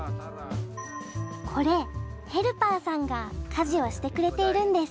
これヘルパーさんが家事をしてくれているんです。